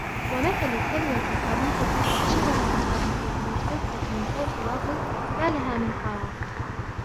وَمَثَلُ كَلِمَةٍ خَبِيثَةٍ كَشَجَرَةٍ خَبِيثَةٍ اجْتُثَّتْ مِنْ فَوْقِ الْأَرْضِ مَا لَهَا مِنْ قَرَارٍ